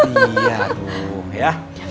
iya dulu ya